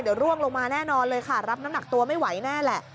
เดี๋ยวร่วงลงมาแน่นอนเลยค่ะรับน้ำหนักตัวไม่ไหวแน่แหละ